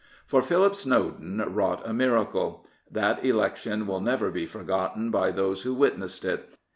For Philip Snowden wrought a miracle. That election will never be forgotten by those who witnessed it.